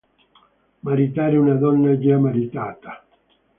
Maritare una donna già maritata!